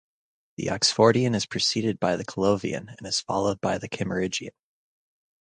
The Oxfordian is preceded by the Callovian and is followed by the Kimmeridgian.